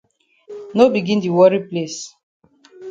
No begin di worry place.